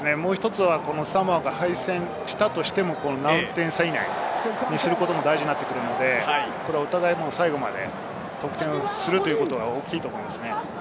サモアが敗戦したとしても何点差以内にすることも大事になってくるので、お互い最後まで得点するということが大きいと思いますね。